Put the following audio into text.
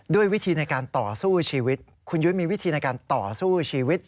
ด้วยวิธีในการต่อสู้ชีวิต